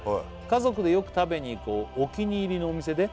「家族でよく食べに行くお気に入りのお店で」